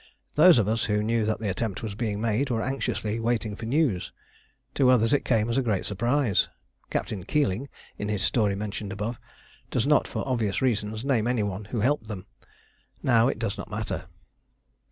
Those of us who knew that the attempt was being made were anxiously waiting for news. To others it came as a great surprise. Captain Keeling, in his story mentioned above, does not, for obvious reasons, name any one who helped them. Now it does not matter.